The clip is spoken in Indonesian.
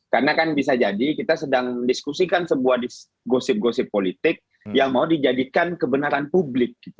karena kan bisa jadi kita sedang diskusikan sebuah gosip gosip politik yang mau dijadikan kebenaran publik